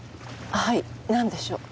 はいなんでしょう？